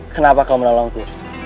kenapa kau menolongku